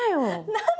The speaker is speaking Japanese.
何で？